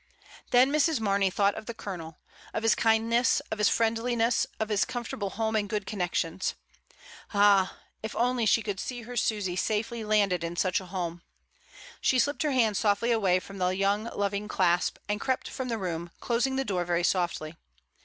Then Mrs. Marney thought of the Colonel, of his kindness, of his friendliness, of his comfortable home and good connections. Ah! if only she could see her Susy safely landed in such a home! She slipped her hand softly away from the young loving clasp, and crept from the room, closing the door very softly.